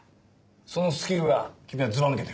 そのスキルが君はずばぬけてる。